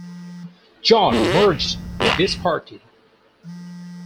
John merged with this party.